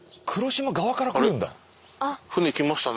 あれ船来ましたね。